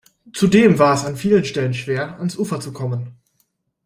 Zudem war es an vielen Stellen schwer, ans Ufer zu kommen.